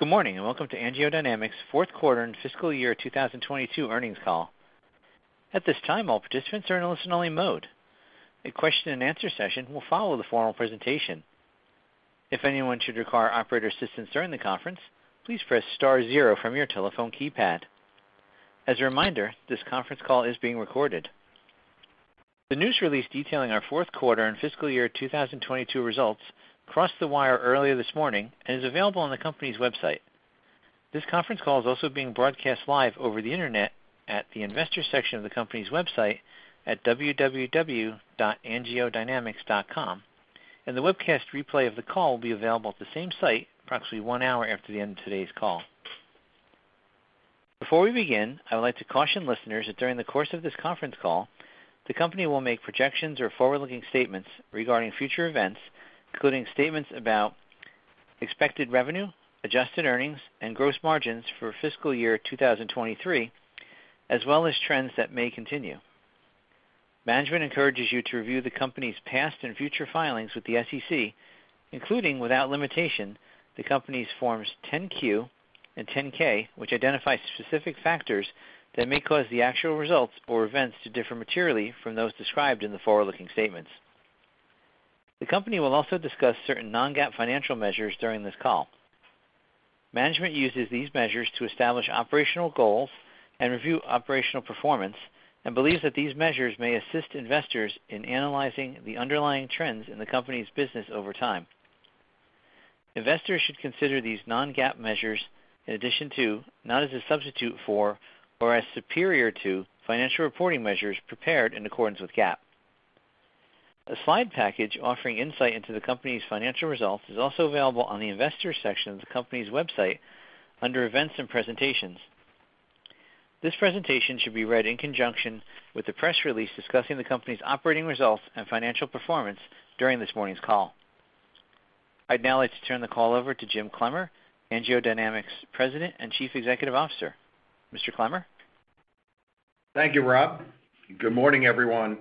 Good morning, and welcome to AngioDynamics' fourth quarter and fiscal year 2022 earnings call. At this time, all participants are in listen-only mode. A question and answer session will follow the formal presentation. If anyone should require operator assistance during the conference, please press star zero from your telephone keypad. As a reminder, this conference call is being recorded. The news release detailing our fourth quarter and fiscal year 2022 results crossed the wire earlier this morning and is available on the company's website. This conference call is also being broadcast live over the internet at the investor section of the company's website at www.angiodynamics.com. The webcast replay of the call will be available at the same site approximately one hour after the end of today's call. Before we begin, I would like to caution listeners that during the course of this conference call, the company will make projections or forward-looking statements regarding future events, including statements about expected revenue, adjusted earnings, and gross margins for fiscal year 2023, as well as trends that may continue. Management encourages you to review the company's past and future filings with the SEC, including, without limitation, the company's Forms 10-Q and 10-K, which identify specific factors that may cause the actual results or events to differ materially from those described in the forward-looking statements. The company will also discuss certain non-GAAP financial measures during this call. Management uses these measures to establish operational goals and review operational performance and believes that these measures may assist investors in analyzing the underlying trends in the company's business over time. Investors should consider these non-GAAP measures in addition to, not as a substitute for, or as superior to financial reporting measures prepared in accordance with GAAP. A slide package offering insight into the company's financial results is also available on the investor section of the company's website under Events and Presentations. This presentation should be read in conjunction with the press release discussing the company's operating results and financial performance during this morning's call. I'd now like to turn the call over to Jim Clemmer, AngioDynamics President and Chief Executive Officer. Mr. Clemmer? Thank you, Rob. Good morning, everyone,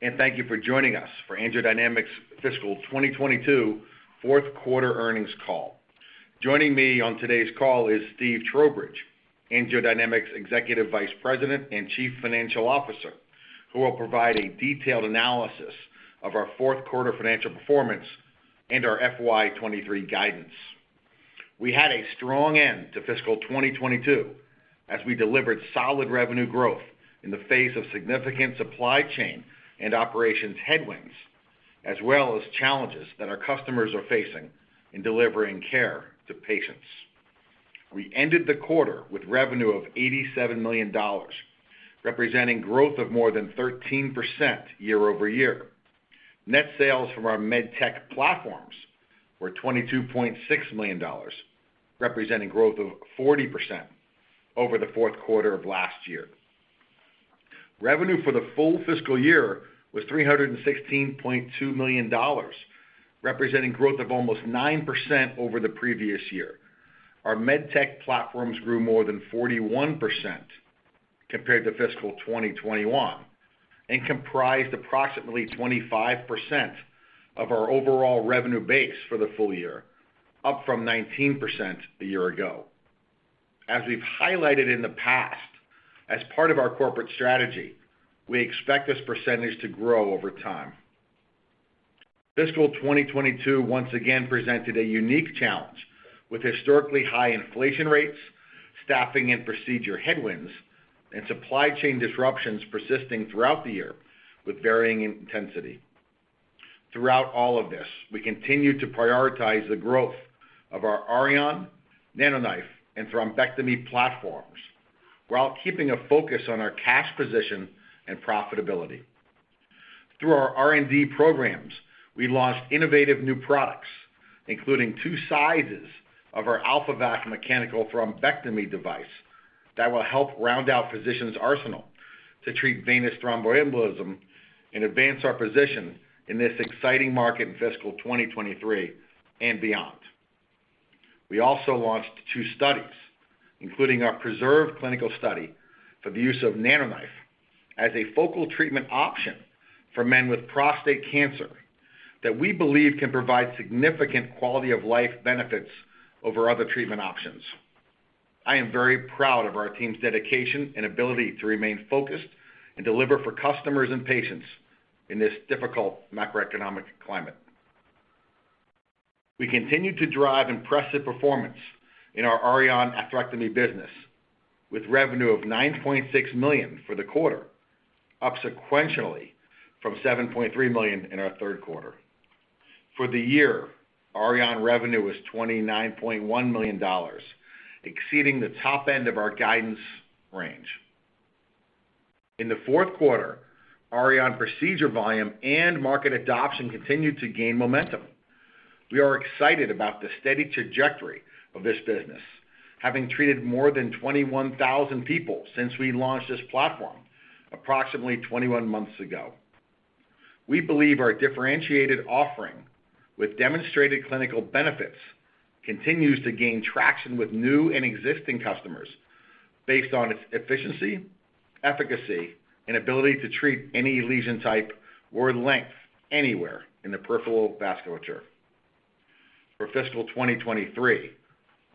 and thank you for joining us for AngioDynamics' fiscal 2022 fourth quarter earnings call. Joining me on today's call is Steve Trowbridge, AngioDynamics Executive Vice President and Chief Financial Officer, who will provide a detailed analysis of our fourth quarter financial performance and our FY 2023 guidance. We had a strong end to fiscal 2022 as we delivered solid revenue growth in the face of significant supply chain and operations headwinds, as well as challenges that our customers are facing in delivering care to patients. We ended the quarter with revenue of $87 million, representing growth of more than 13% year-over-year. Net sales from our MedTech platforms were $22.6 million, representing growth of 40% over the fourth quarter of last year. Revenue for the full fiscal year was $316.2 million, representing growth of almost 9% over the previous year. Our MedTech platforms grew more than 41% compared to fiscal 2021 and comprised approximately 25% of our overall revenue base for the full year, up from 19% a year ago. As we've highlighted in the past, as part of our corporate strategy, we expect this percentage to grow over time. Fiscal 2022 once again presented a unique challenge with historically high inflation rates, staffing and procedure headwinds, and supply chain disruptions persisting throughout the year with varying intensity. Throughout all of this, we continued to prioritize the growth of our Auryon, NanoKnife, and thrombectomy platforms while keeping a focus on our cash position and profitability. Through our R&D programs, we launched innovative new products, including two sizes of our AlphaVac mechanical thrombectomy device that will help round out physicians' arsenal to treat venous thromboembolism and advance our position in this exciting market in fiscal 2023 and beyond. We also launched two studies, including our PRESERVE clinical study for the use of NanoKnife as a focal treatment option for men with prostate cancer that we believe can provide significant quality of life benefits over other treatment options. I am very proud of our team's dedication and ability to remain focused and deliver for customers and patients in this difficult macroeconomic climate. We continued to drive impressive performance in our Auryon atherectomy business, with revenue of $9.6 million for the quarter, up sequentially from $7.3 million in our third quarter. For the year, Auryon revenue was $29.1 million, exceeding the top end of our guidance range. In the fourth quarter, Auryon procedure volume and market adoption continued to gain momentum. We are excited about the steady trajectory of this business, having treated more than 21,000 people since we launched this platform approximately 21 months ago. We believe our differentiated offering with demonstrated clinical benefits continues to gain traction with new and existing customers. Based on its efficiency, efficacy, and ability to treat any lesion type or length anywhere in the peripheral vasculature. For fiscal 2023,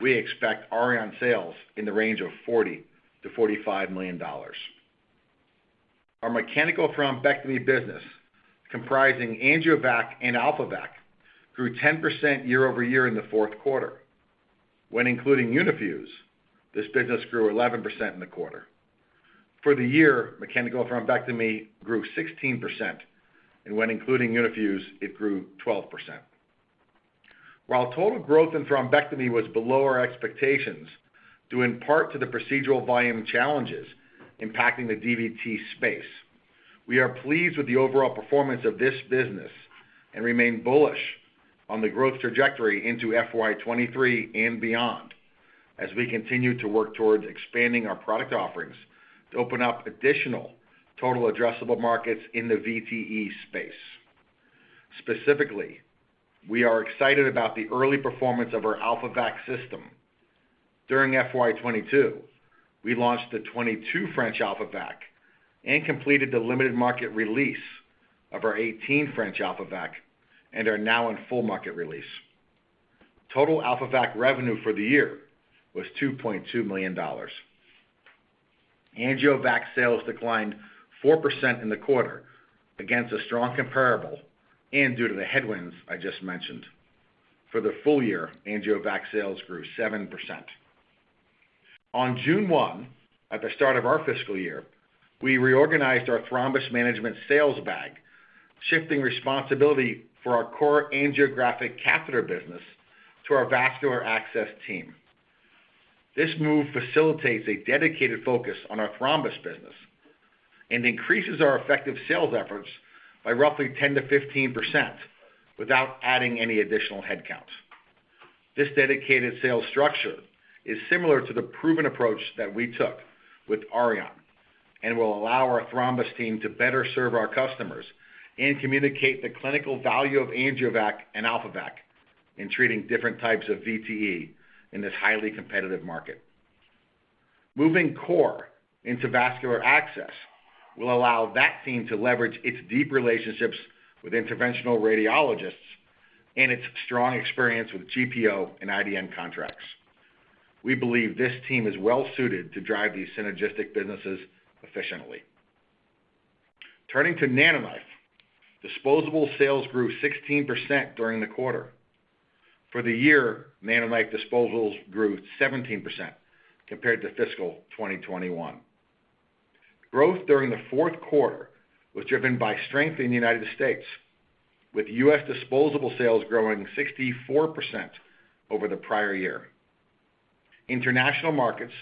we expect Auryon sales in the range of $40-$45 million. Our mechanical thrombectomy business, comprising AngioVac and AlphaVac, grew 10% year-over-year in the fourth quarter. When including Uni-Fuse, this business grew 11% in the quarter. For the year, mechanical thrombectomy grew 16%, and when including Uni-Fuse, it grew 12%. While total growth in thrombectomy was below our expectations, due in part to the procedural volume challenges impacting the DVT space, we are pleased with the overall performance of this business and remain bullish on the growth trajectory into FY 2023 and beyond as we continue to work towards expanding our product offerings to open up additional total addressable markets in the VTE space. Specifically, we are excited about the early performance of our AlphaVac system. During FY 2022, we launched the 22 French AlphaVac and completed the limited market release of our 18 French AlphaVac and are now in full market release. Total AlphaVac revenue for the year was $2.2 million. AngioVac sales declined 4% in the quarter against a strong comparable and due to the headwinds I just mentioned. For the full year, AngioVac sales grew 7%. On June 1, at the start of our fiscal year, we reorganized our thrombus management sales bag, shifting responsibility for our core angiographic catheter business to our vascular access team. This move facilitates a dedicated focus on our thrombus business and increases our effective sales efforts by roughly 10%-15% without adding any additional headcount. This dedicated sales structure is similar to the proven approach that we took with Auryon and will allow our thrombus team to better serve our customers and communicate the clinical value of AngioVac and AlphaVac in treating different types of VTE in this highly competitive market. Moving core into Vascular Access will allow that team to leverage its deep relationships with interventional radiologists and its strong experience with GPO and IDN contracts. We believe this team is well-suited to drive these synergistic businesses efficiently. Turning to NanoKnife, disposable sales grew 16% during the quarter. For the year, NanoKnife disposables grew 17% compared to fiscal 2021. Growth during the fourth quarter was driven by strength in the U.S., with U.S. disposable sales growing 64% over the prior year. International markets,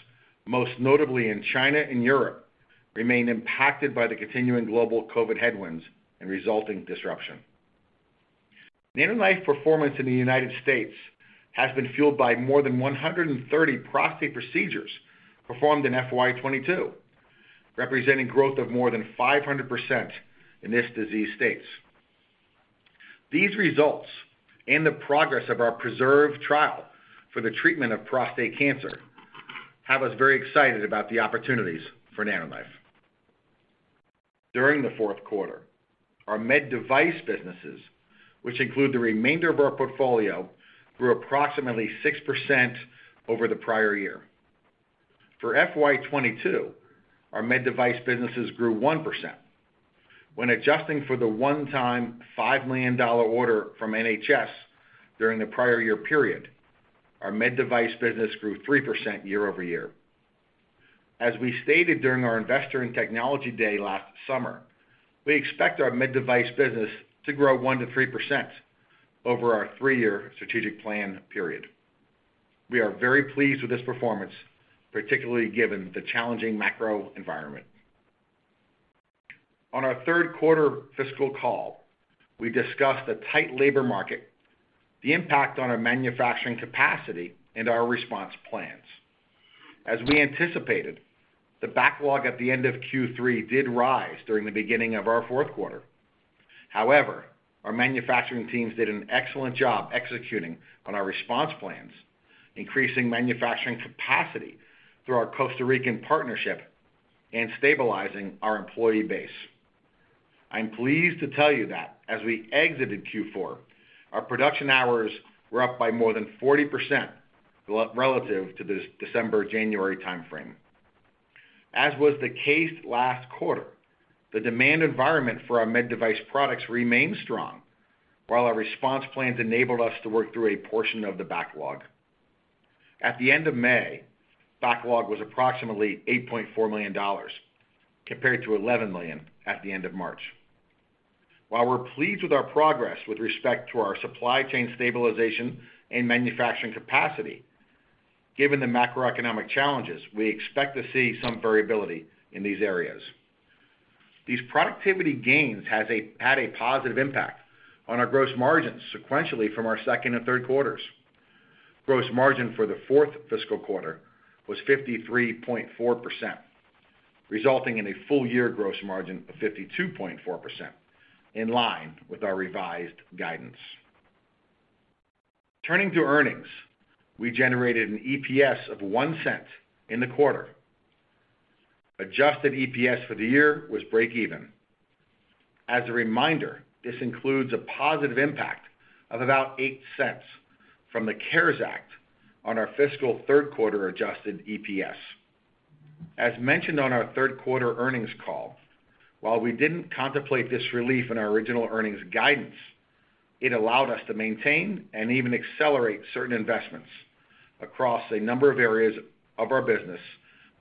most notably in China and Europe, remain impacted by the continuing global COVID headwinds and resulting disruption. NanoKnife performance in the U.S. Has been fueled by more than 130 prostate procedures performed in FY 2022, representing growth of more than 500% in this disease states. These results and the progress of our PRESERVE trial for the treatment of prostate cancer have us very excited about the opportunities for NanoKnife. During the fourth quarter, our MedDevice businesses, which include the remainder of our portfolio, grew approximately 6% over the prior year. For FY 2022, our MedDevice businesses grew 1%. When adjusting for the one-time $5 million order from NHS during the prior year period, our MedDevice business grew 3% year-over-year. As we stated during our Investor and Technology Day last summer, we expect our MedDevice business to grow 1%-3% over our three-year strategic plan period. We are very pleased with this performance, particularly given the challenging macro environment. On our third quarter fiscal call, we discussed the tight labor market, the impact on our manufacturing capacity, and our response plans. As we anticipated, the backlog at the end of Q3 did rise during the beginning of our fourth quarter. However, our manufacturing teams did an excellent job executing on our response plans, increasing manufacturing capacity through our Costa Rican partnership and stabilizing our employee base. I'm pleased to tell you that as we exited Q4, our production hours were up by more than 40% relative to the December-January timeframe. As was the case last quarter, the demand environment for our MedDevice products remained strong, while our response plans enabled us to work through a portion of the backlog. At the end of May, backlog was approximately $8.4 million, compared to $11 million at the end of March. While we're pleased with our progress with respect to our supply chain stabilization and manufacturing capacity, given the macroeconomic challenges, we expect to see some variability in these areas. These productivity gains had a positive impact on our gross margins sequentially from our second and third quarters. Gross margin for the fourth fiscal quarter was 53.4%, resulting in a full year gross margin of 52.4%, in line with our revised guidance. Turning to earnings, we generated an EPS of $0.01 in the quarter. Adjusted EPS for the year was breakeven. As a reminder, this includes a positive impact of about $0.08 from the CARES Act on our fiscal third quarter adjusted EPS. As mentioned on our third quarter earnings call, while we didn't contemplate this relief in our original earnings guidance, it allowed us to maintain and even accelerate certain investments across a number of areas of our business,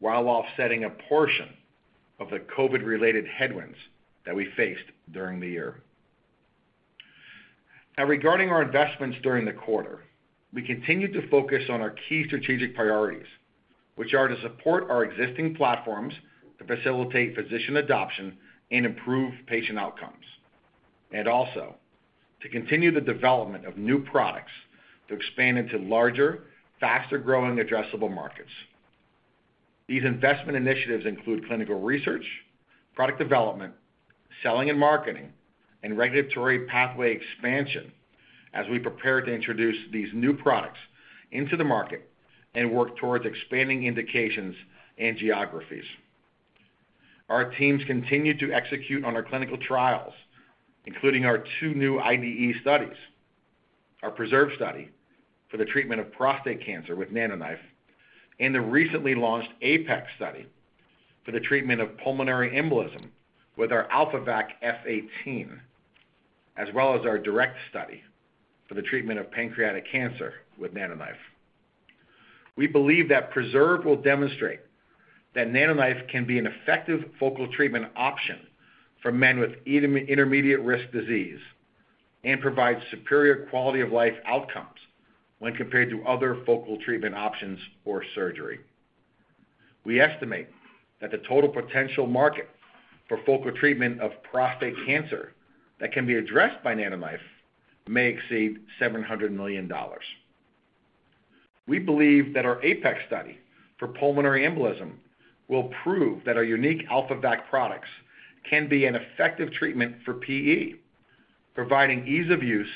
while offsetting a portion of the COVID-related headwinds that we faced during the year. Now, regarding our investments during the quarter, we continued to focus on our key strategic priorities, which are to support our existing platforms to facilitate physician adoption and improve patient outcomes. To continue the development of new products to expand into larger, faster-growing addressable markets. These investment initiatives include clinical research, product development, selling and marketing, and regulatory pathway expansion as we prepare to introduce these new products into the market and work towards expanding indications and geographies. Our teams continued to execute on our clinical trials, including our two new IDE studies, our PRESERVE Study for the treatment of prostate cancer with NanoKnife, and the recently launched APEX Study for the treatment of pulmonary embolism with our AlphaVac F18, as well as our DIRECT Study for the treatment of pancreatic cancer with NanoKnife. We believe that PRESERVE will demonstrate that NanoKnife can be an effective focal treatment option for men with intermediate risk disease and provide superior quality of life outcomes when compared to other focal treatment options or surgery. We estimate that the total potential market for focal treatment of prostate cancer that can be addressed by NanoKnife may exceed $700 million. We believe that our APEX Study for pulmonary embolism will prove that our unique AlphaVac products can be an effective treatment for PE, providing ease of use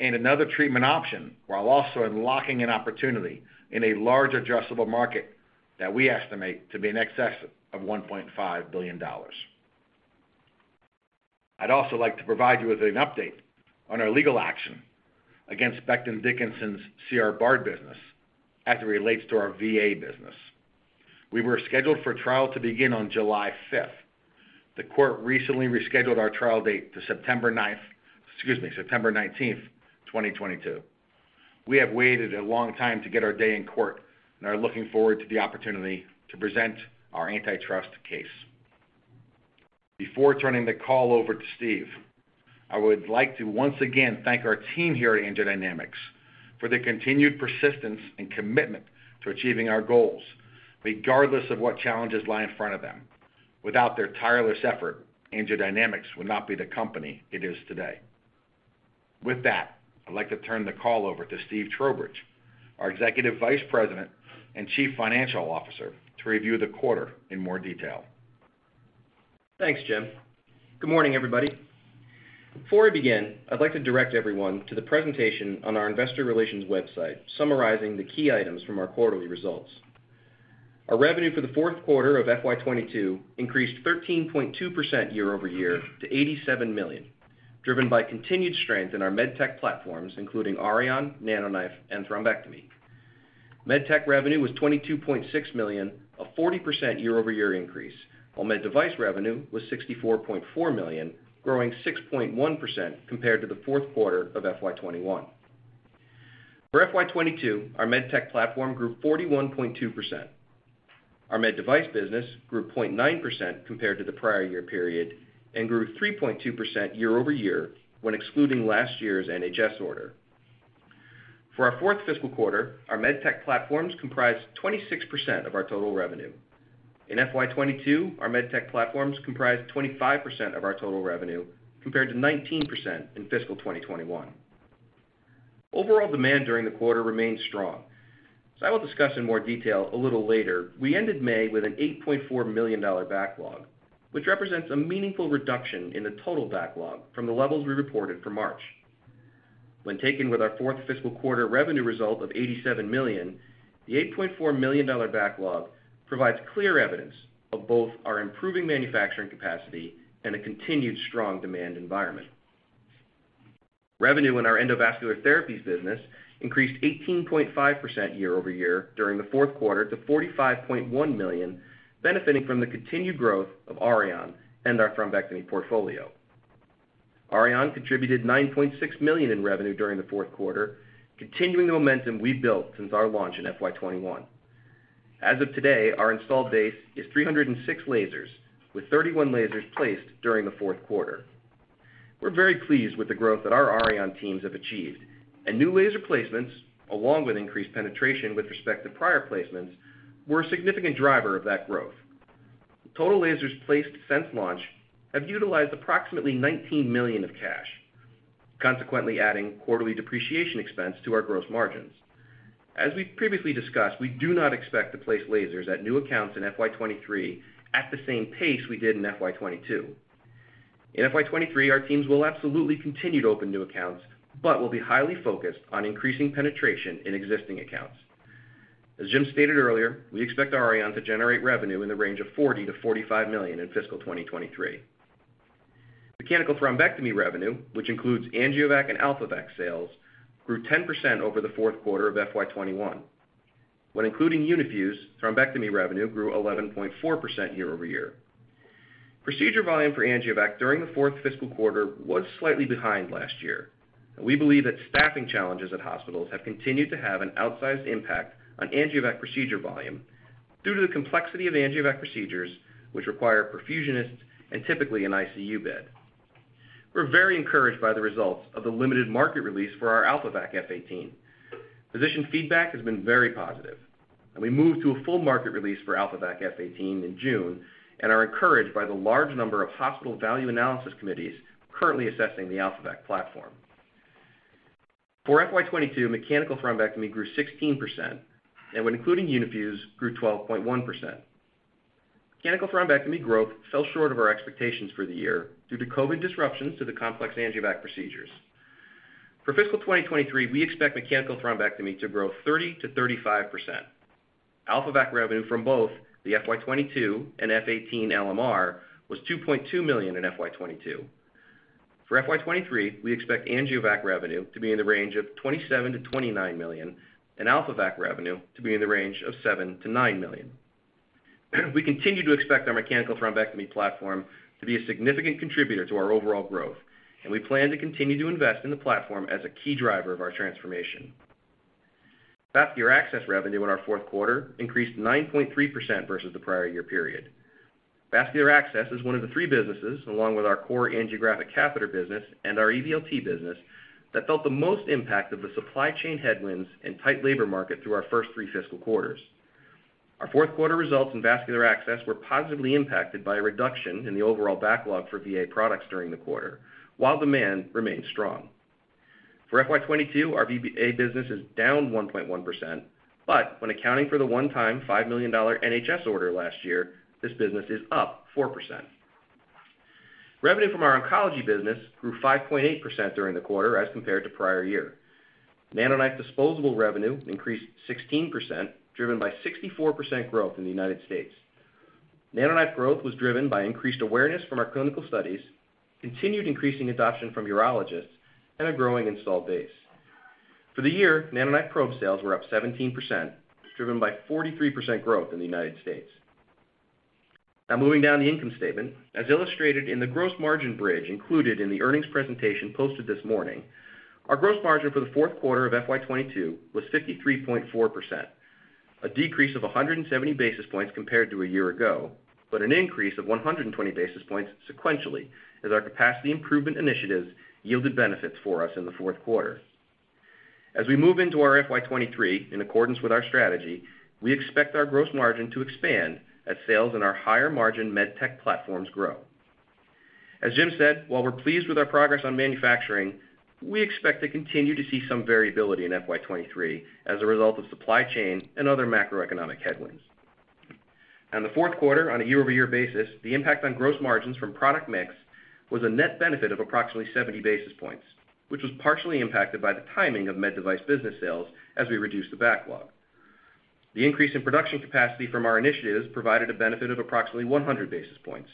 and another treatment option, while also unlocking an opportunity in a large addressable market that we estimate to be in excess of $1.5 billion. I'd also like to provide you with an update on our legal action against Becton Dickinson's C. R. Bard business as it relates to our VA business. We were scheduled for trial to begin on July 5th. The court recently rescheduled our trial date to September 19th, 2022. We have waited a long time to get our day in court and are looking forward to the opportunity to present our antitrust case. Before turning the call over to Steve, I would like to once again thank our team here at AngioDynamics for their continued persistence and commitment to achieving our goals, regardless of what challenges lie in front of them. Without their tireless effort, AngioDynamics would not be the company it is today. With that, I'd like to turn the call over to Steve Trowbridge, our Executive Vice President and Chief Financial Officer, to review the quarter in more detail. Thanks, Jim. Good morning, everybody. Before we begin, I'd like to direct everyone to the presentation on our investor relations website summarizing the key items from our quarterly results. Our revenue for the fourth quarter of FY 2022 increased 13.2% year-over-year to $87 million, driven by continued strength in our MedTech platforms, including Auryon, NanoKnife, and thrombectomy. MedTech revenue was $22.6 million, a 40% year-over-year increase, while MedDevice revenue was $64.4 million, growing 6.1% compared to the fourth quarter of FY 2021. For FY 2022, our MedTech platform grew 41.2%. Our MedDevice business grew 0.9% compared to the prior year period and grew 3.2% year-over-year when excluding last year's NHS order. For our fourth fiscal quarter, our MedTech platforms comprised 26% of our total revenue. In FY 2022, our MedTech platforms comprised 25% of our total revenue, compared to 19% in fiscal 2021. Overall demand during the quarter remained strong. As I will discuss in more detail a little later, we ended May with an $8.4 million backlog, which represents a meaningful reduction in the total backlog from the levels we reported for March. When taken with our fourth fiscal quarter revenue result of $87 million, the $8.4 million backlog provides clear evidence of both our improving manufacturing capacity and a continued strong demand environment. Revenue in our endovascular therapies business increased 18.5% year-over-year during the fourth quarter to $45.1 million, benefiting from the continued growth of Auryon and our thrombectomy portfolio. Auryon contributed $9.6 million in revenue during the fourth quarter, continuing the momentum we've built since our launch in FY 2021. As of today, our installed base is 306 lasers, with 31 lasers placed during the fourth quarter. We're very pleased with the growth that our Auryon teams have achieved, and new laser placements, along with increased penetration with respect to prior placements, were a significant driver of that growth. Total lasers placed since launch have utilized approximately $19 million of cash, consequently adding quarterly depreciation expense to our gross margins. As we've previously discussed, we do not expect to place lasers at new accounts in FY 2023 at the same pace we did in FY 2022. In FY 2023, our teams will absolutely continue to open new accounts, but will be highly focused on increasing penetration in existing accounts. As Jim stated earlier, we expect Auryon to generate revenue in the range of $40 million-$45 million in fiscal 2023. Mechanical thrombectomy revenue, which includes AngioVac and AlphaVac sales, grew 10% over the fourth quarter of FY 2021. When including Uni-Fuse, thrombectomy revenue grew 11.4% year-over-year. Procedure volume for AngioVac during the fourth fiscal quarter was slightly behind last year. We believe that staffing challenges at hospitals have continued to have an outsized impact on AngioVac procedure volume due to the complexity of AngioVac procedures, which require perfusionists and typically an ICU bed. We're very encouraged by the results of the limited market release for our AlphaVac F18. Physician feedback has been very positive, and we moved to a full market release for AlphaVac F18 in June and are encouraged by the large number of hospital value analysis committees currently assessing the AlphaVac platform. For FY 2022, mechanical thrombectomy grew 16% and when including Uni-Fuse, grew 12.1%. Mechanical thrombectomy growth fell short of our expectations for the year due to COVID disruptions to the complex AngioVac procedures. For fiscal 2023, we expect mechanical thrombectomy to grow 30%-35%. AlphaVac revenue from both the FY 2022 and F18 LMR was $2.2 million in FY 2022. For FY 2023, we expect AngioVac revenue to be in the range of $27 million-$29 million and AlphaVac revenue to be in the range of $7 million-$9 million. We continue to expect our mechanical thrombectomy platform to be a significant contributor to our overall growth, and we plan to continue to invest in the platform as a key driver of our transformation. Vascular Access revenue in our fourth quarter increased 9.3% versus the prior year period. Vascular Access is one of the three businesses, along with our core angiographic catheter business and our EVLT business, that felt the most impact of the supply chain headwinds and tight labor market through our first three fiscal quarters. Our fourth quarter results in Vascular Access were positively impacted by a reduction in the overall backlog for VA products during the quarter, while demand remained strong. For FY 2022, our VBA business is down 1.1%, but when accounting for the one-time $5 million NHS order last year, this business is up 4%. Revenue from our oncology business grew 5.8% during the quarter as compared to prior year. NanoKnife disposable revenue increased 16%, driven by 64% growth in the U.S.. NanoKnife growth was driven by increased awareness from our clinical studies, continued increasing adoption from urologists, and a growing installed base. For the year, NanoKnife probe sales were up 17%, driven by 43% growth in the U.S.. Now moving down the income statement. As illustrated in the gross margin bridge included in the earnings presentation posted this morning, our gross margin for the fourth quarter of FY 2022 was 53.4%, a decrease of 170 basis points compared to a year ago, but an increase of 120 basis points sequentially as our capacity improvement initiatives yielded benefits for us in the fourth quarter. As we move into our FY 2023, in accordance with our strategy, we expect our gross margin to expand as sales in our higher margin MedTech platforms grow. As Jim said, while we're pleased with our progress on manufacturing, we expect to continue to see some variability in FY 2023 as a result of supply chain and other macroeconomic headwinds. In the fourth quarter on a year-over-year basis, the impact on gross margins from product mix was a net benefit of approximately 70 basis points, which was partially impacted by the timing of MedDevice business sales as we reduced the backlog. The increase in production capacity from our initiatives provided a benefit of approximately 100 basis points.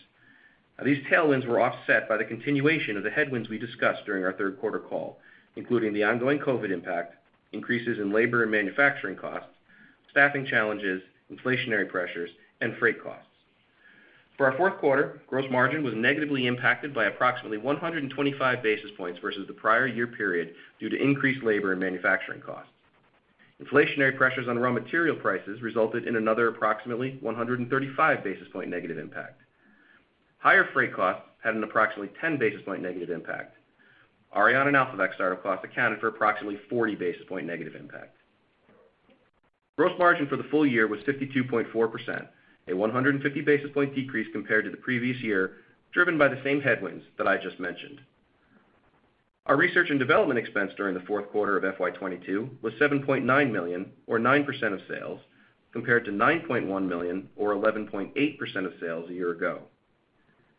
These tailwinds were offset by the continuation of the headwinds we discussed during our third quarter call, including the ongoing COVID impact, increases in labor and manufacturing costs, staffing challenges, inflationary pressures, and freight costs. For our fourth quarter, gross margin was negatively impacted by approximately 125 basis points versus the prior year period due to increased labor and manufacturing costs. Inflationary pressures on raw material prices resulted in another approximately 135 basis point negative impact. Higher freight costs had an approximately 10 basis point negative impact. Auryon and AlphaVac startup costs accounted for approximately 40 basis point negative impact. Gross margin for the full year was 52.4%, a 150 basis point decrease compared to the previous year, driven by the same headwinds that I just mentioned. Our research and development expense during the fourth quarter of FY 2022 was $7.9 million or 9% of sales, compared to $9.1 million or 11.8% of sales a year ago.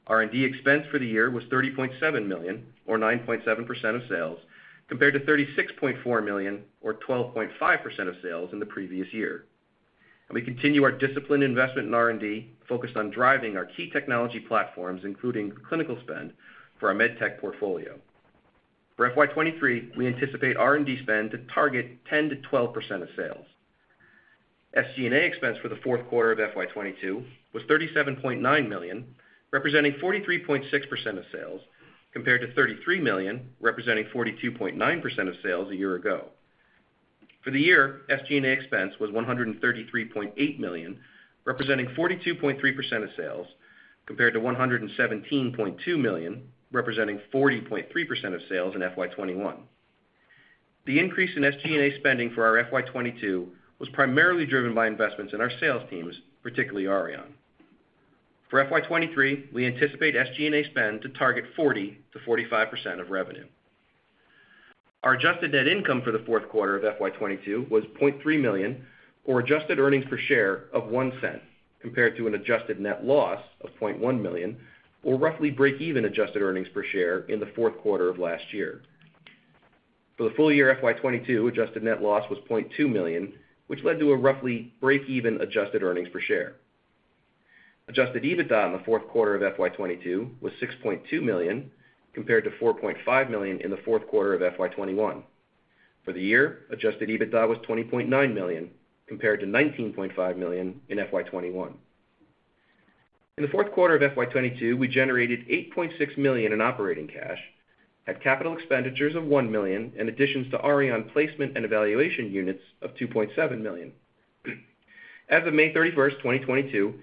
R&D expense for the year was $30.7 million or 9.7% of sales, compared to $36.4 million or 12.5% of sales in the previous year. We continue our disciplined investment in R&D focused on driving our key technology platforms, including clinical spend for our MedTech portfolio. For FY 2023, we anticipate R&D spend to target 10%-12% of sales. SG&A expense for the fourth quarter of FY 2022 was $37.9 million, representing 43.6% of sales, compared to $33 million, representing 42.9% of sales a year ago. For the year, SG&A expense was $133.8 million, representing 42.3% of sales, compared to $117.2 million, representing 40.3% of sales in FY 2021. The increase in SG&A spending for our FY 2022 was primarily driven by investments in our sales teams, particularly Auryon. For FY 2023, we anticipate SG&A spend to target 40%-45% of revenue. Our adjusted net income for the fourth quarter of FY 2022 was $0.3 million, or adjusted earnings per share of $0.01, compared to an adjusted net loss of $0.1 million or roughly break even adjusted earnings per share in the fourth quarter of last year. For the full year FY 2022, adjusted net loss was $0.2 million, which led to a roughly break even adjusted earnings per share. Adjusted EBITDA in the fourth quarter of FY 2022 was $6.2 million, compared to $4.5 million in the fourth quarter of FY 2021. For the year, adjusted EBITDA was $20.9 million, compared to $19.5 million in FY 2021. In the fourth quarter of FY 2022, we generated $8.6 million in operating cash and capital expenditures of $1 million and additions to Auryon placement and evaluation units of $2.7 million. As of May 31st, 2022,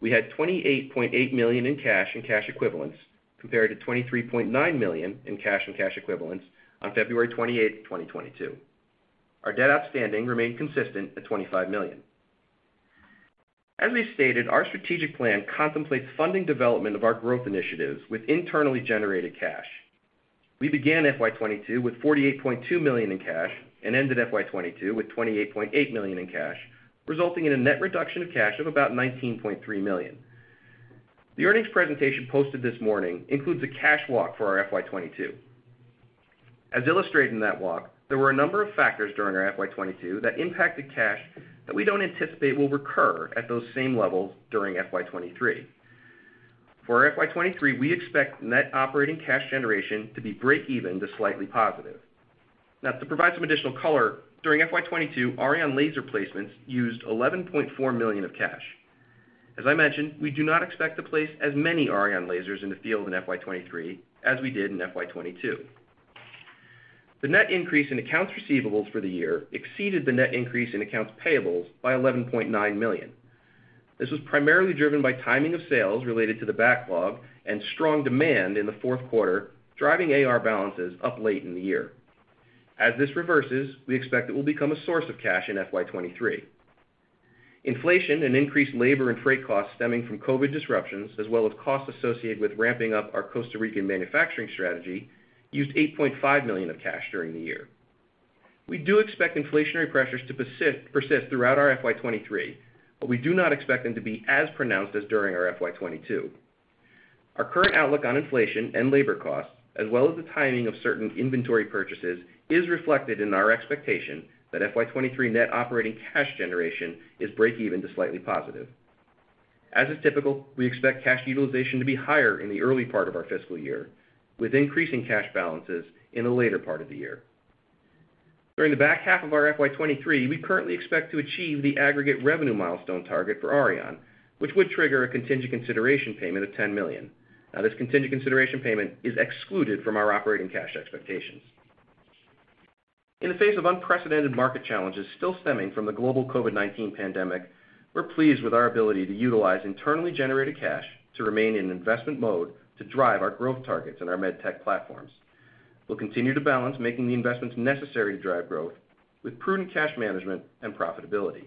we had $28.8 million in cash and cash equivalents, compared to $23.9 million in cash and cash equivalents on February 28, 2022. Our debt outstanding remained consistent at $25 million. As we stated, our strategic plan contemplates funding development of our growth initiatives with internally generated cash. We began FY 2022 with $48.2 million in cash and ended FY 2022 with $28.8 million in cash, resulting in a net reduction of cash of about $19.3 million. The earnings presentation posted this morning includes a cash walk for our FY 2022. As illustrated in that walk, there were a number of factors during our FY 2022 that impacted cash that we don't anticipate will recur at those same levels during FY 2023. For our FY 2023, we expect net operating cash generation to be break even to slightly positive. Now, to provide some additional color, during FY 2022, Auryon laser placements used $11.4 million of cash. As I mentioned, we do not expect to place as many Auryon lasers in the field in FY 2023 as we did in FY 2022. The net increase in accounts receivables for the year exceeded the net increase in accounts payables by $11.9 million. This was primarily driven by timing of sales related to the backlog and strong demand in the fourth quarter, driving AR balances up late in the year. As this reverses, we expect it will become a source of cash in FY 2023. Inflation and increased labor and freight costs stemming from COVID disruptions, as well as costs associated with ramping up our Costa Rican manufacturing strategy, used $8.5 million of cash during the year. We do expect inflationary pressures to persist throughout our FY 2023, but we do not expect them to be as pronounced as during our FY 2022. Our current outlook on inflation and labor costs, as well as the timing of certain inventory purchases, is reflected in our expectation that FY 2023 net operating cash generation is break even to slightly positive. As is typical, we expect cash utilization to be higher in the early part of our fiscal year, with increasing cash balances in the later part of the year. During the back half of our FY 2023, we currently expect to achieve the aggregate revenue milestone target for Auryon, which would trigger a contingent consideration payment of $10 million. Now, this contingent consideration payment is excluded from our operating cash expectations. In the face of unprecedented market challenges still stemming from the global COVID-19 pandemic, we're pleased with our ability to utilize internally generated cash to remain in investment mode to drive our growth targets in our MedTech platforms. We'll continue to balance making the investments necessary to drive growth with prudent cash management and profitability.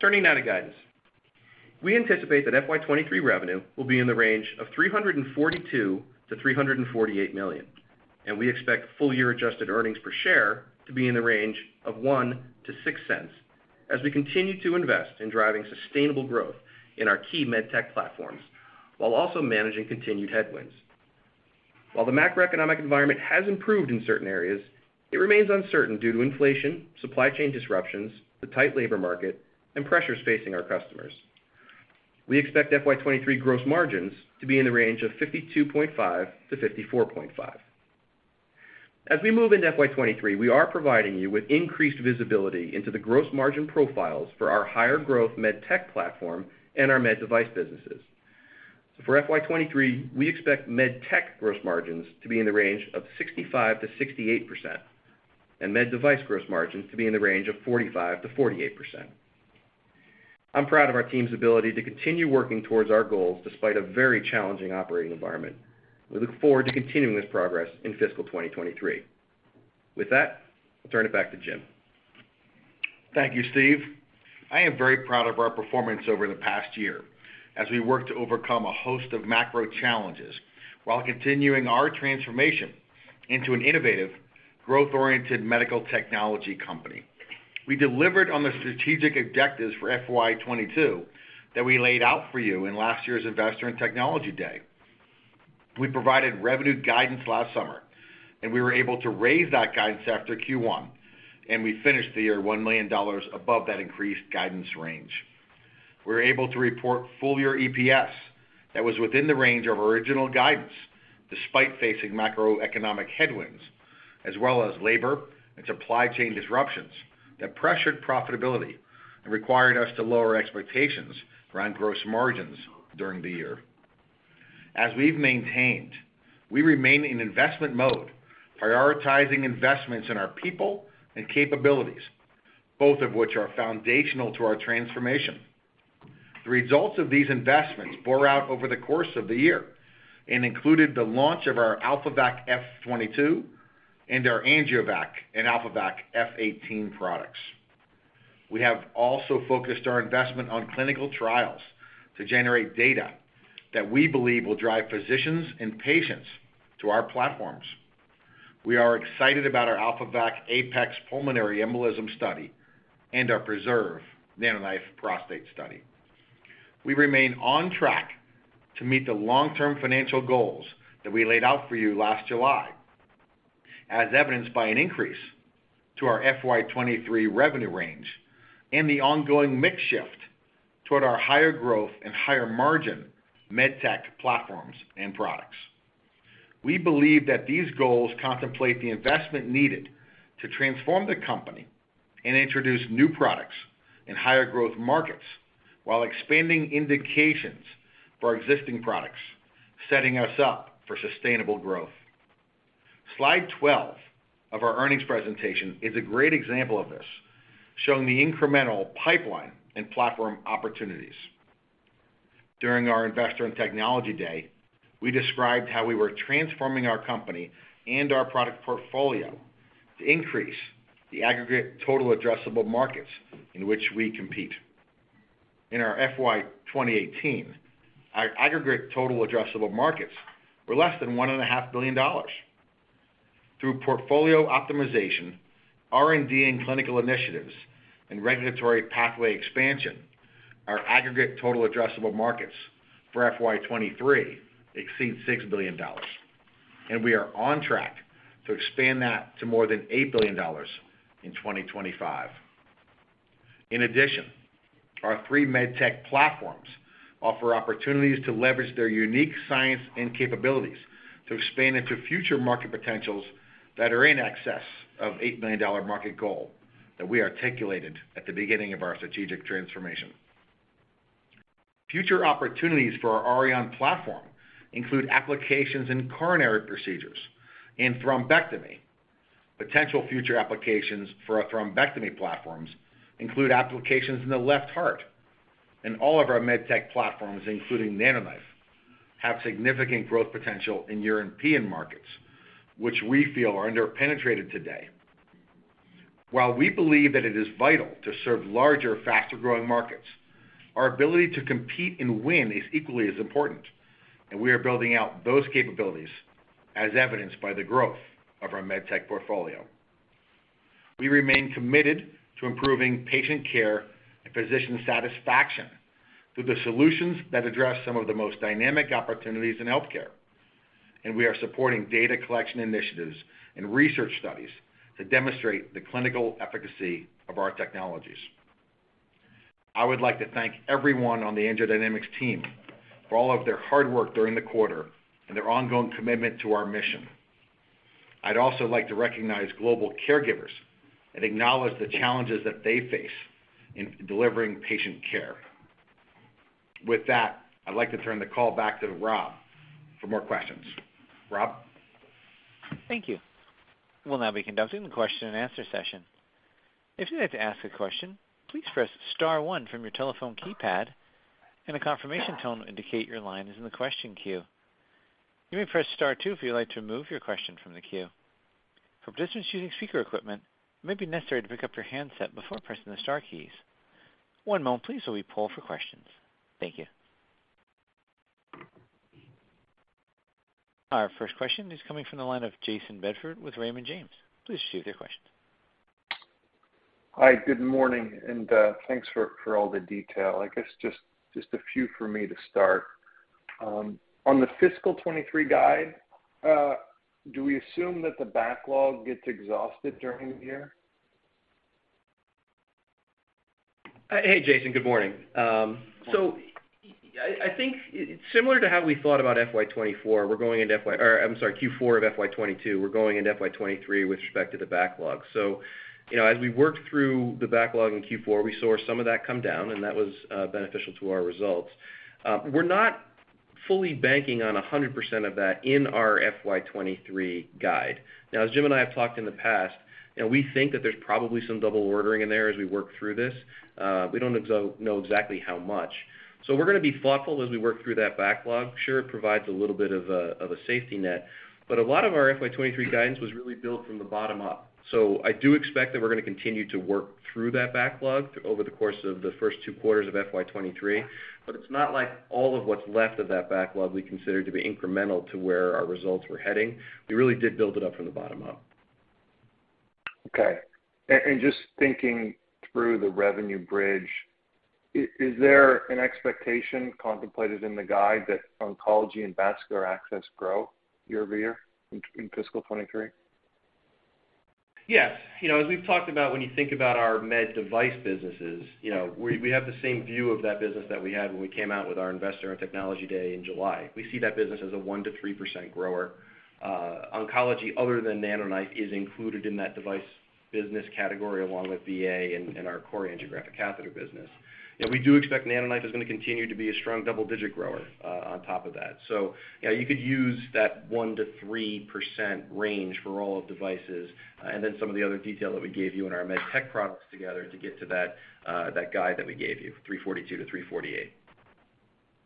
Turning now to guidance. We anticipate that FY 2023 revenue will be in the range of $342 million-$348 million, and we expect full year adjusted earnings per share to be in the range of $0.01-$0.06 as we continue to invest in driving sustainable growth in our key MedTech platforms while also managing continued headwinds. While the macroeconomic environment has improved in certain areas, it remains uncertain due to inflation, supply chain disruptions, the tight labor market, and pressures facing our customers. We expect FY 2023 gross margins to be in the range of 52.5%-54.5%. As we move into FY 2023, we are providing you with increased visibility into the gross margin profiles for our higher growth MedTech platform and our MedDevice businesses. For FY 2023, we expect MedTech gross margins to be in the range of 65%-68% and MedDevice gross margins to be in the range of 45%-48%. I'm proud of our team's ability to continue working towards our goals despite a very challenging operating environment. We look forward to continuing this progress in fiscal 2023. With that, I'll turn it back to Jim. Thank you, Steve. I am very proud of our performance over the past year as we work to overcome a host of macro challenges while continuing our transformation into an innovative, growth-oriented medical technology company. We delivered on the strategic objectives for FY 2022 that we laid out for you in last year's Investor and Technology Day. We provided revenue guidance last summer, and we were able to raise that guidance after Q1, and we finished the year $1 million above that increased guidance range. We were able to report full year EPS that was within the range of original guidance despite facing macroeconomic headwinds, as well as labor and supply chain disruptions that pressured profitability and required us to lower expectations around gross margins during the year. As we've maintained, we remain in investment mode, prioritizing investments in our people and capabilities, both of which are foundational to our transformation. The results of these investments bore out over the course of the year and included the launch of our AlphaVac F22 and our AngioVac and AlphaVac F18 products. We have also focused our investment on clinical trials to generate data that we believe will drive physicians and patients to our platforms. We are excited about our AlphaVac APEX pulmonary embolism study and our PRESERVE NanoKnife prostate study. We remain on track to meet the long-term financial goals that we laid out for you last July, as evidenced by an increase to our FY 2023 revenue range and the ongoing mix shift toward our higher growth and higher margin MedTech platforms and products. We believe that these goals contemplate the investment needed to transform the company and introduce new products in higher growth markets while expanding indications for our existing products, setting us up for sustainable growth. Slide 12 of our earnings presentation is a great example of this, showing the incremental pipeline and platform opportunities. During our Investor and Technology Day, we described how we were transforming our company and our product portfolio to increase the aggregate total addressable markets in which we compete. In our FY 2018, our aggregate total addressable markets were less than $1.5 billion. Through portfolio optimization, R&D and clinical initiatives, and regulatory pathway expansion, our aggregate total addressable markets for FY 2023 exceed $6 billion, and we are on track to expand that to more than $8 billion in 2025. In addition, our three MedTech platforms offer opportunities to leverage their unique science and capabilities to expand into future market potentials that are in excess of $8 billion market goal that we articulated at the beginning of our strategic transformation. Future opportunities for our Auryon platform include applications in coronary procedures and thrombectomy. Potential future applications for our thrombectomy platforms include applications in the left heart. All of our MedTech platforms, including NanoKnife, have significant growth potential in European markets, which we feel are under-penetrated today. While we believe that it is vital to serve larger, faster-growing markets, our ability to compete and win is equally as important, and we are building out those capabilities, as evidenced by the growth of our MedTech portfolio. We remain committed to improving patient care and physician satisfaction through the solutions that address some of the most dynamic opportunities in healthcare, and we are supporting data collection initiatives and research studies to demonstrate the clinical efficacy of our technologies. I would like to thank everyone on the AngioDynamics team for all of their hard work during the quarter and their ongoing commitment to our mission. I'd also like to recognize global caregivers and acknowledge the challenges that they face in delivering patient care. With that, I'd like to turn the call back to Rob for more questions. Rob? Thank you. We'll now be conducting the question-and-answer session. If you'd like to ask a question, please press star one from your telephone keypad, and a confirmation tone will indicate your line is in the question queue. You may press star two if you'd like to remove your question from the queue. For participants using speaker equipment, it may be necessary to pick up your handset before pressing the star keys. One moment please while we poll for questions. Thank you. Our first question is coming from the line of Jayson Bedford with Raymond James. Please proceed with your question. Hi. Good morning, and thanks for all the detail. I guess just a few from me to start. On the fiscal 2023 guide, do we assume that the backlog gets exhausted during the year? Hey, Jayson. Good morning. I think similar to how we thought about FY 2024, we're going into FY—or I'm sorry, Q4 of FY 2022, we're going into FY 2023 with respect to the backlog. You know, as we worked through the backlog in Q4, we saw some of that come down, and that was beneficial to our results. We're not fully banking on 100% of that in our FY 2023 guide. Now, as Jim and I have talked in the past, you know, we think that there's probably some double ordering in there as we work through this. We don't know exactly how much. We're gonna be thoughtful as we work through that backlog. Sure, it provides a little bit of a safety net. A lot of our FY 2023 guidance was really built from the bottom up. I do expect that we're gonna continue to work through that backlog over the course of the first two quarters of FY 2023, but it's not like all of what's left of that backlog we consider to be incremental to where our results were heading. We really did build it up from the bottom up. Just thinking through the revenue bridge, is there an expectation contemplated in the guide that oncology and Vascular Access grow year-over-year in fiscal 2023? Yes. You know, as we've talked about, when you think about our MedDevice businesses, you know, we have the same view of that business that we had when we came out with our Investor and Technology Day in July. We see that business as a 1%-3% grower. Oncology other than NanoKnife is included in that device business category along with VA and our core angiographic catheter business. You know, we do expect NanoKnife is gonna continue to be a strong double-digit grower on top of that. You know, you could use that 1%-3% range for all devices and then some of the other detail that we gave you in our MedTech products together to get to that guide that we gave you, $342-$348.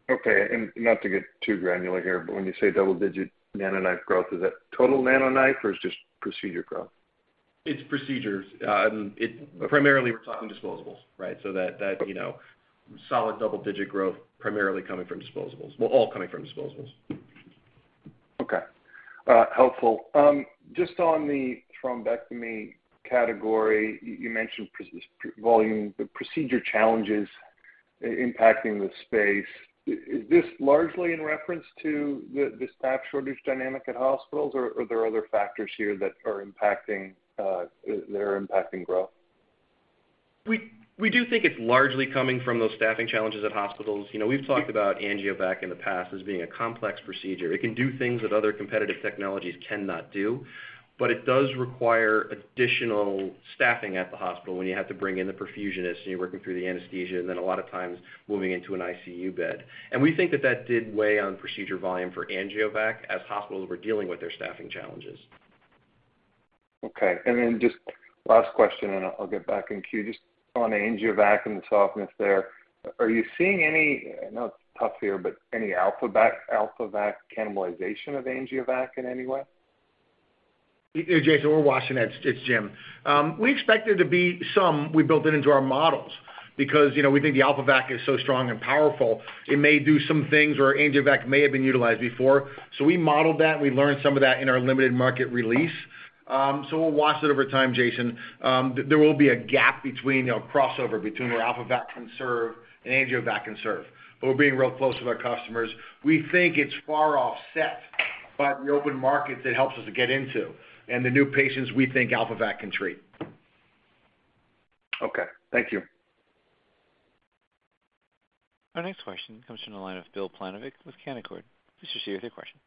Okay. Not to get too granular here, but when you say double-digit NanoKnife growth, is that total NanoKnife or is just procedure growth? It's procedures. Primarily, we're talking disposables, right? That, you know, solid double-digit growth primarily coming from disposables. Well, all coming from disposables. Okay. Helpful. Just on the thrombectomy category, you mentioned low-volume procedure challenges impacting the space. Is this largely in reference to the staff shortage dynamic at hospitals, or there are other factors here that are impacting growth? We do think it's largely coming from those staffing challenges at hospitals. You know, we've talked about AngioVac in the past as being a complex procedure. It can do things that other competitive technologies cannot do, but it does require additional staffing at the hospital when you have to bring in the perfusionist and you're working through the anesthesia, and then a lot of times moving into an ICU bed. We think that did weigh on procedure volume for AngioVac as hospitals were dealing with their staffing challenges. Okay. Then just last question, and I'll get back in queue. Just on AngioVac and the softness there, are you seeing any? I know it's tough here, but any AlphaVac cannibalization of AngioVac in any way? Jayson, we're watching that. It's Jim. We expect there to be some. We built it into our models because, you know, we think the AlphaVac is so strong and powerful, it may do some things where AngioVac may have been utilized before. We modeled that, we learned some of that in our limited market release. We'll watch that over time, Jayson. There will be a gap between, you know, crossover between where AlphaVac can serve and AngioVac can serve, but we're being real close with our customers. We think it's far offset by the open markets it helps us to get into and the new patients we think AlphaVac can treat. Okay. Thank you. Our next question comes from the line of Bill Plovanic with Canaccord. Please proceed with your question.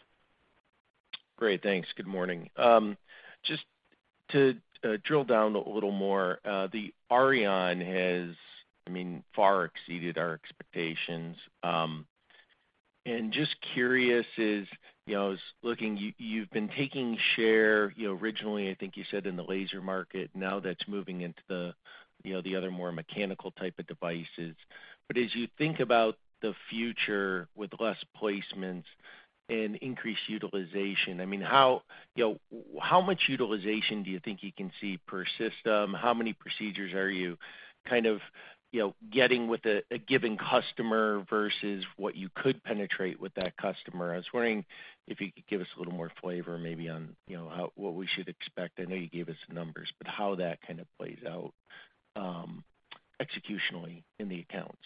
Great, thanks. Good morning. Just to drill down a little more, the Auryon has, I mean, far exceeded our expectations. Just curious is, you know, I was looking. You, you've been taking share, you know, originally, I think you said in the laser market. Now that's moving into the, you know, the other more mechanical type of devices. But as you think about the future with less placements and increased utilization, I mean, how, you know, how much utilization do you think you can see per system? How many procedures are you kind of, you know, getting with a given customer versus what you could penetrate with that customer? I was wondering if you could give us a little more flavor maybe on, you know, how what we should expect. I know you gave us some numbers, but how that kind of plays out, executionally in the accounts?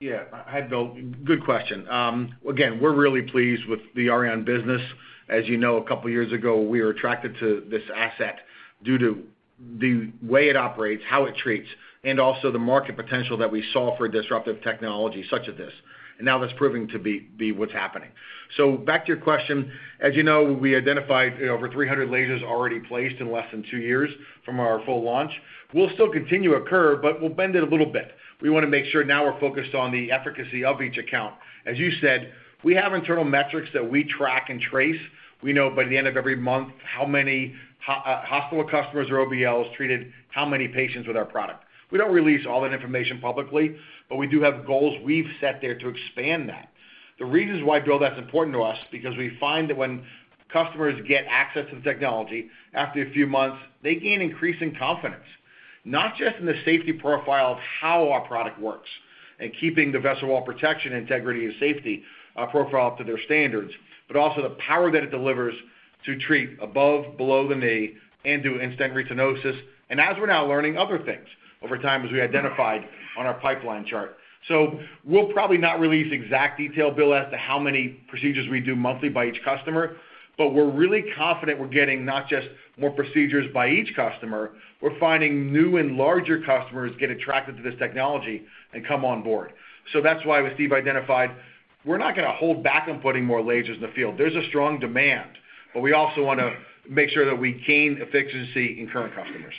Yeah. Hi, Bill. Good question. Again, we're really pleased with the Auryon business. As you know, a couple of years ago, we were attracted to this asset due to the way it operates, how it treats, and also the market potential that we saw for disruptive technology such as this, and now that's proving to be what's happening. Back to your question, as you know, we identified over 300 lasers already placed in less than two years from our full launch. We'll still continue to incur, but we'll bend it a little bit. We wanna make sure now we're focused on the efficacy of each account. As you said, we have internal metrics that we track and trace. We know by the end of every month how many hospital customers or OBLs treated how many patients with our product. We don't release all that information publicly, but we do have goals we've set there to expand that. The reasons why, Bill, that's important to us, because we find that when customers get access to the technology, after a few months, they gain increasing confidence, not just in the safety profile of how our product works and keeping the vessel wall protection, integrity, and safety profile up to their standards, but also the power that it delivers to treat above, below the knee and do instant restenosis. We're now learning other things over time, as we identified on our pipeline chart. We'll probably not release exact detail, Bill, as to how many procedures we do monthly by each customer, but we're really confident we're getting not just more procedures by each customer. We're finding new and larger customers get attracted to this technology and come on board. That's why, what Steve identified, we're not gonna hold back on putting more lasers in the field. There's a strong demand, but we also wanna make sure that we gain efficiency in current customers.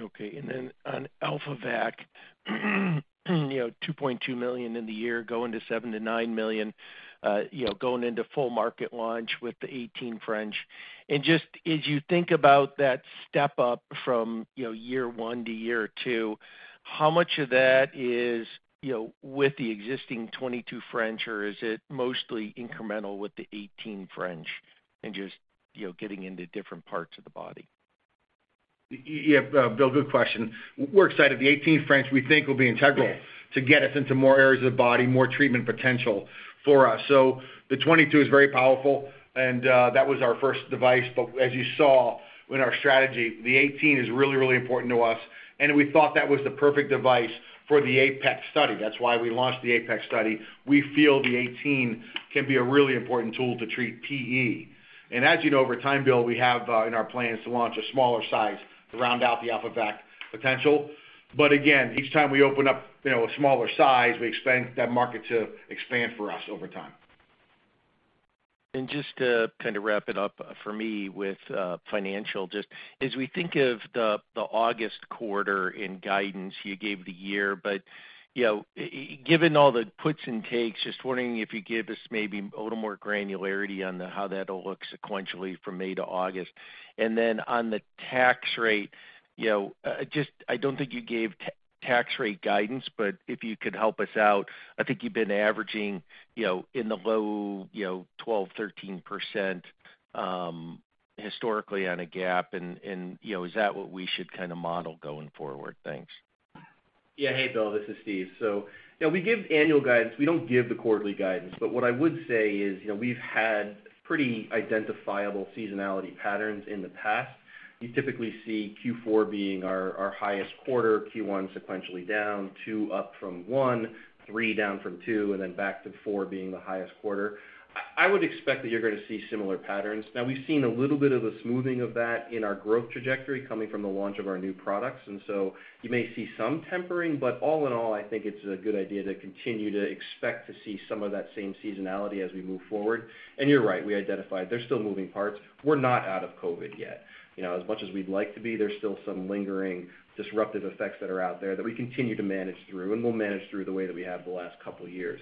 Okay. Then on AlphaVac, you know, $2.2 million in the year, going to $7 million-$9 million, you know, going into full market launch with the 18 French. Just as you think about that step up from, you know, year one to year two, how much of that is, you know, with the existing 22 French, or is it mostly incremental with the 18 French and just, you know, getting into different parts of the body? Yeah. Bill, good question. We're excited. The 18 French, we think, will be integral to get us into more areas of the body, more treatment potential for us. The 22 is very powerful, and that was our first device. As you saw in our strategy, the 18 is really, really important to us, and we thought that was the perfect device for the APEX study. That's why we launched the APEX study. We feel the 18 can be a really important tool to treat PE. As you know, Bill, we have in our plans to launch a smaller size to round out the AlphaVac potential. Again, each time we open up, you know, a smaller size, we expect that market to expand for us over time. Just to kind of wrap it up for me with financial, just as we think of the August quarter in guidance, you gave the year, but you know, given all the puts and takes, just wondering if you could give us maybe a little more granularity on how that'll look sequentially from May to August. Then on the tax rate, you know, just I don't think you gave tax rate guidance, but if you could help us out. I think you've been averaging you know, in the low 12, 13% historically on a GAAP, and you know, is that what we should kind of model going forward? Thanks. Yeah. Hey, Bill, this is Steve. You know, we give annual guidance. We don't give the quarterly guidance. What I would say is, you know, we've had pretty identifiable seasonality patterns in the past. You typically see Q4 being our highest quarter, Q1 sequentially down, Q2 up from Q1, Q3 down from Q2, and then back to Q4 being the highest quarter. I would expect that you're going to see similar patterns. Now, we've seen a little bit of a smoothing of that in our growth trajectory coming from the launch of our new products. You may see some tempering, but all in all, I think it's a good idea to continue to expect to see some of that same seasonality as we move forward. You're right, we identified there's still moving parts. We're not out of COVID yet. You know, as much as we'd like to be, there's still some lingering disruptive effects that are out there that we continue to manage through, and we'll manage through the way that we have the last couple of years.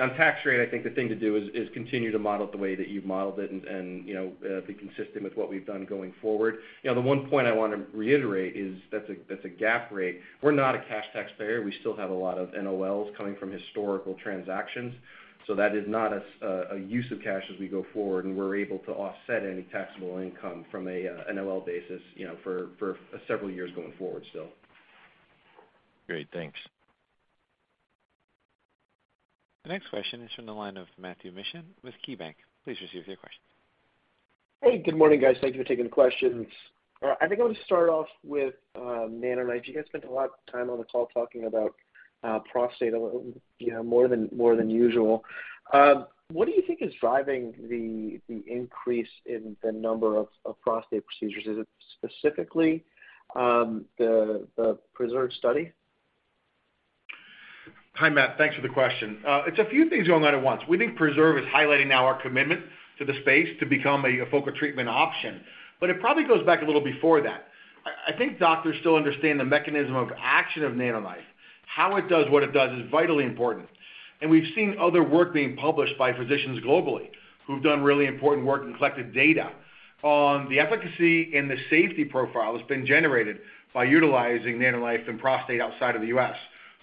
On tax rate, I think the thing to do is continue to model it the way that you've modeled it and, you know, be consistent with what we've done going forward. You know, the one point I want to reiterate is that's a GAAP rate. We're not a cash taxpayer. We still have a lot of NOLs coming from historical transactions. That is not a use of cash as we go forward, and we're able to offset any taxable income from a NOL basis, you know, for several years going forward still. Great. Thanks. The next question is from the line of Matthew Mishan with KeyBanc. Please proceed with your question. Hey, good morning, guys. Thank you for taking the questions. All right, I think I want to start off with NanoKnife. You guys spent a lot of time on the call talking about prostate, you know, more than usual. What do you think is driving the increase in the number of prostate procedures? Is it specifically the PRESERVE study? Hi, Matt. Thanks for the question. It's a few things going on at once. We think PRESERVE is highlighting now our commitment to the space to become a focal treatment option. It probably goes back a little before that. I think doctors still understand the mechanism of action of NanoKnife. How it does what it does is vitally important. We've seen other work being published by physicians globally who've done really important work and collected data on the efficacy and the safety profile that's been generated by utilizing NanoKnife and prostate outside of the U.S.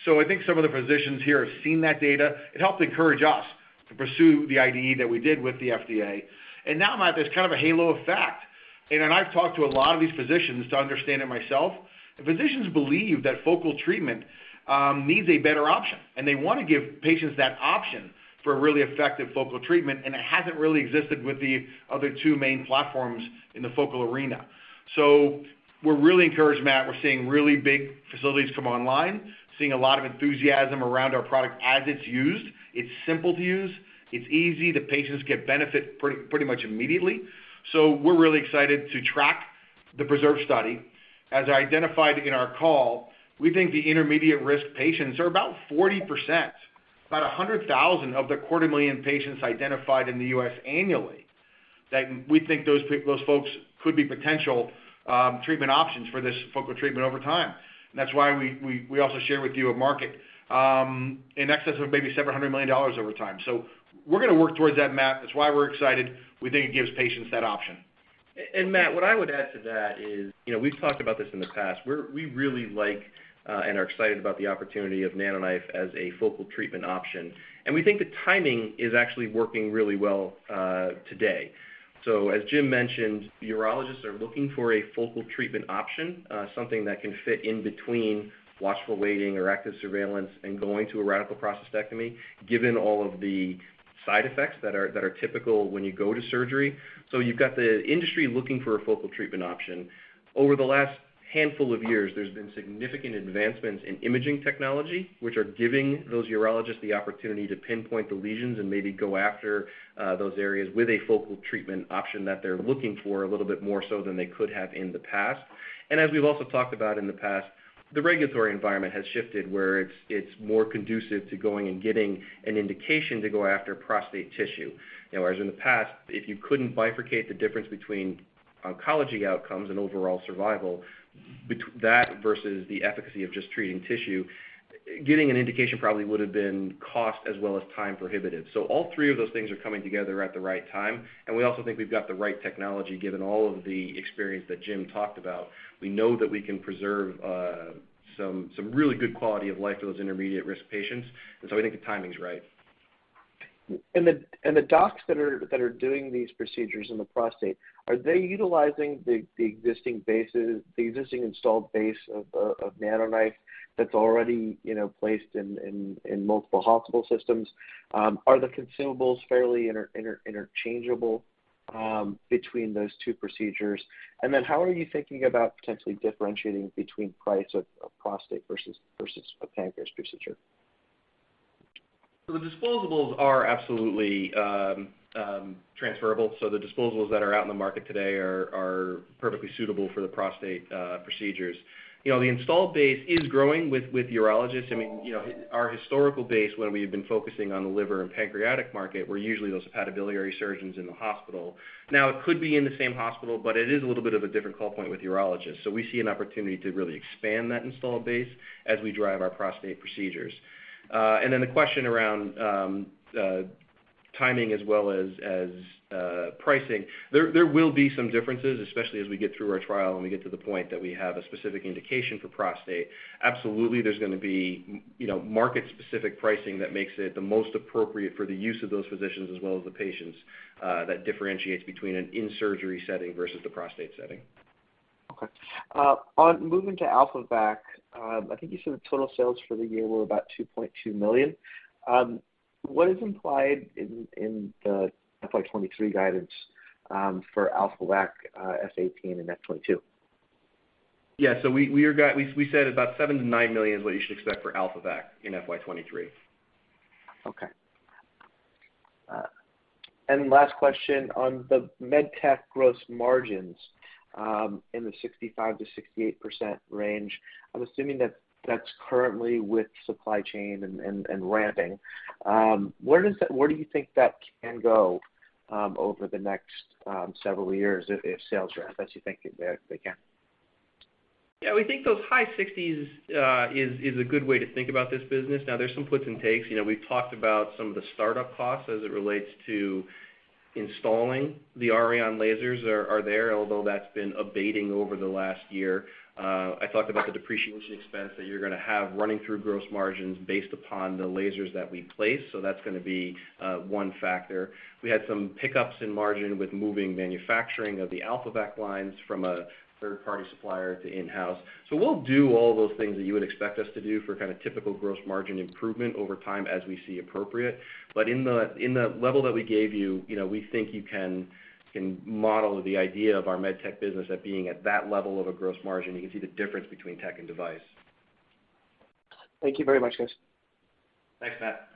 I think some of the physicians here have seen that data. It helped encourage us to pursue the IDE that we did with the FDA. Now, Matt, there's kind of a halo effect. Then I've talked to a lot of these physicians to understand it myself. The physicians believe that focal treatment needs a better option, and they want to give patients that option for a really effective focal treatment, and it hasn't really existed with the other two main platforms in the focal arena. We're really encouraged, Matt. We're seeing really big facilities come online, seeing a lot of enthusiasm around our product as it's used. It's simple to use. It's easy. The patients get benefit pretty much immediately. We're really excited to track the PRESERVE study. As identified in our call, we think the intermediate risk patients are about 40%, about 100,000 of the quarterly inpatients identified in the U.S. annually that we think those folks could be potential treatment options for this focal treatment over time. that's why we also share with you a market in excess of maybe $several hundred million over time. We're going to work towards that, Matt. That's why we're excited. We think it gives patients that option. Matt, what I would add to that is, you know, we've talked about this in the past. We really like and are excited about the opportunity of NanoKnife as a focal treatment option. We think the timing is actually working really well today. As Jim mentioned, urologists are looking for a focal treatment option, something that can fit in between watchful waiting or active surveillance and going to a radical prostatectomy, given all of the side effects that are typical when you go to surgery. You've got the industry looking for a focal treatment option. Over the last handful of years, there's been significant advancements in imaging technology, which are giving those urologists the opportunity to pinpoint the lesions and maybe go after those areas with a focal treatment option that they're looking for a little bit more so than they could have in the past. As we've also talked about in the past, the regulatory environment has shifted where it's more conducive to going and getting an indication to go after prostate tissue. You know, whereas in the past, if you couldn't bifurcate the difference between oncology outcomes and overall survival, that versus the efficacy of just treating tissue, getting an indication probably would have been cost as well as time prohibitive. All three of those things are coming together at the right time. We also think we've got the right technology, given all of the experience that Jim talked about. We know that we can preserve some really good quality of life for those intermediate risk patients. We think the timing is right. The docs that are doing these procedures in the prostate, are they utilizing the existing installed base of NanoKnife that's already, you know, placed in multiple hospital systems? Are the consumables fairly interchangeable between those two procedures? How are you thinking about potentially differentiating between price of prostate versus a pancreas procedure? The disposables are absolutely transferable. The disposables that are out in the market today are perfectly suitable for the prostate procedures. You know, the installed base is growing with urologists. I mean, you know, our historical base, when we've been focusing on the liver and pancreatic market, were usually those hepatobiliary surgeons in the hospital. Now, it could be in the same hospital, but it is a little bit of a different call point with urologists. We see an opportunity to really expand that installed base as we drive our prostate procedures. The question around timing as well as pricing. There will be some differences, especially as we get through our trial and we get to the point that we have a specific indication for prostate. Absolutely, there's going to be, you know, market-specific pricing that makes it the most appropriate for the use of those physicians as well as the patients, that differentiates between an in-surgery setting versus the prostate setting. On moving to AlphaVac, I think you said total sales for the year were about $2.2 million. What is implied in the FY 2023 guidance for AlphaVac F18 and F22? Yeah. We said about $7 million-$9 million is what you should expect for AlphaVac in FY 2023. Last question on the MedTech gross margins in the 65%-68% range. I'm assuming that that's currently with supply chain and ramping. Where do you think that can go over the next several years if sales ramp as you think they can? Yeah. We think those high 60s% is a good way to think about this business. Now, there's some puts and takes. You know, we've talked about some of the startup costs as it relates to installing the Auryon lasers are there, although that's been abating over the last year. I talked about the depreciation expense that you're gonna have running through gross margins based upon the lasers that we place, so that's gonna be one factor. We had some pickups in margin with moving manufacturing of the AlphaVac lines from a third party supplier to in-house. We'll do all those things that you would expect us to do for kind of typical gross margin improvement over time as we see appropriate. In the level that we gave you know, we think you can model the idea of our MedTech business at being at that level of a gross margin. You can see the difference between MedTech and MedDevice. Thank you very much, guys. Thanks, Matt.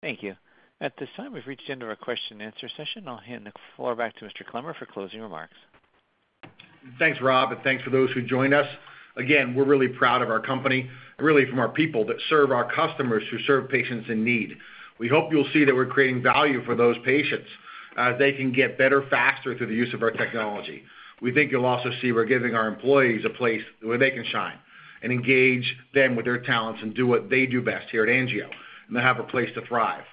Thank you. At this time, we've reached the end of our question and answer session. I'll hand the floor back to Mr. Clemmer for closing remarks. Thanks, Rob, and thanks for those who joined us. Again, we're really proud of our company, really from our people that serve our customers who serve patients in need. We hope you'll see that we're creating value for those patients as they can get better, faster through the use of our technology. We think you'll also see we're giving our employees a place where they can shine and engage them with their talents and do what they do best here at AngioDynamics and have a place to thrive.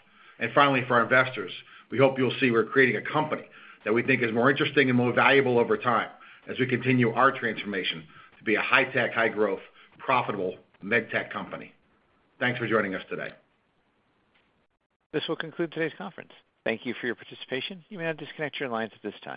Finally, for our investors, we hope you'll see we're creating a company that we think is more interesting and more valuable over time as we continue our transformation to be a high-tech, high-growth, profitable MedTech company. Thanks for joining us today. This will conclude today's conference. Thank you for your participation. You may now disconnect your lines at this time.